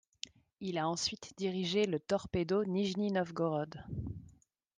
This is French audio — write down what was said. Il a ensuite dirigé le Torpedo Nijni Novgorod.